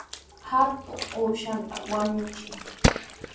Atuqqa uushatami wañuchin.